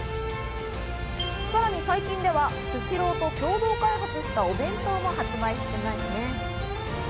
さらに最近ではスシローと共同開発したお弁当も発売していますね。